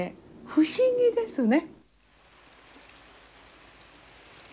不思議ですね。